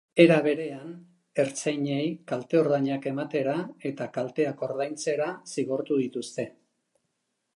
Era berean, ertzainei kalte-ordainak ematera eta kalteak ordaintzera zigortu dituzte.